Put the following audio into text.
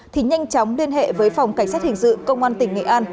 thì nhanh chóng liên hệ với phòng cảnh sát hình sự công an tỉnh nghệ an